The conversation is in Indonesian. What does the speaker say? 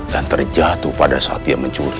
dan terjatuh pada saat dia mencuri